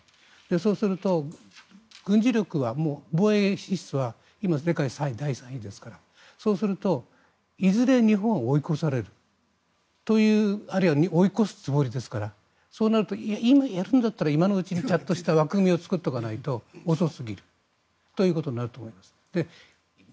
そうすると、軍事力は防衛支出は今、世界第３位ですからそうするといずれ日本は追い越されるあるいは追い越すつもりですからそうなると、やるんだったら今のうちにちゃんとした枠組みを作っておかないと遅すぎるということになると思います。